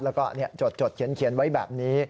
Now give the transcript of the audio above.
แล้วก็จดเขียนไว้แบบนี้